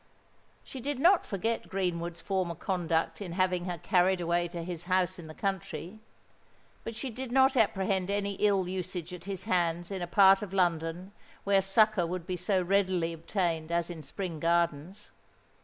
She did not forget Greenwood's former conduct in having her carried away to his house in the country; but she did not apprehend any ill usage at his hands in a part of London where succour would be so readily obtained as in Spring Gardens.